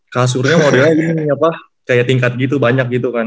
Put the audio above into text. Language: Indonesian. kasurnya mau dilihat ini apa kayak tingkat gitu banyak gitu kan